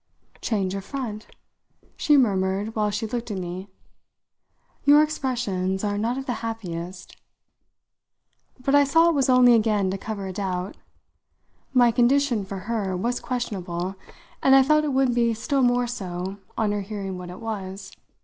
"Change of front?" she murmured while she looked at me. "Your expressions are not of the happiest." But I saw it was only again to cover a doubt. My condition, for her, was questionable, and I felt it would be still more so on her hearing what it was.